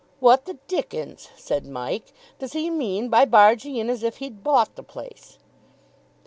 "What the dickens," said Mike, "does he mean by barging in as if he'd bought the place?"